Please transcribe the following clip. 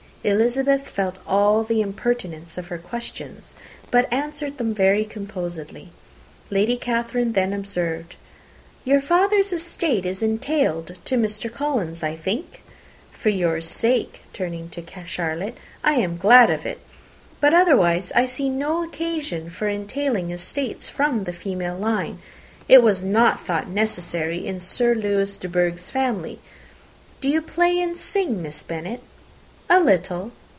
Elizabeth felt all the impertinence of her questions, but answered them very composedly. Lady Catherine then observed, "Your father's estate is entailed on Mr. Collins, I think? For your sake," turning to Charlotte, "I am glad of it; but otherwise I see no occasion for entailing estates from the female line. It was not thought necessary in Sir Lewis de Bourgh's family. Do you play and sing, Miss Bennet?" "A little."